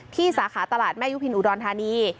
สาขาตลาดแม่ยุพินอุดรธานี